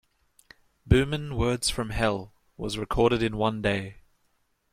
"Boomin' Words from Hell" was recorded in one day.